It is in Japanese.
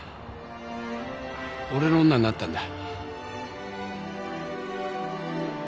俺の女になったんだ。